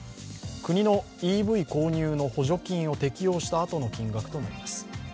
国のＥＶ購入の補助金を適用したあとの金額となります。